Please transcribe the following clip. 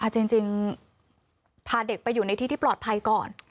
จริงพาเด็กไปอยู่ในที่ที่ปลอดภัยก่อน